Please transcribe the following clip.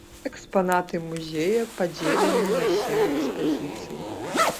Экспанаты музея падзелены на сем экспазіцый.